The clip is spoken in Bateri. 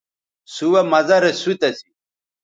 سوہ مزہ رے سوت اسی